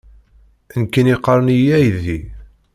Nekkini qqaren-iyi aydi!